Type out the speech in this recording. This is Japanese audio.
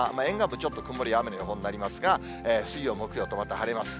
ちょっと曇りや雨の予報になりますが、吸いよう、木曜とまた晴れます。